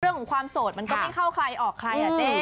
เรื่องของความโสดไม่ข้าก็เข้าใครออกใคร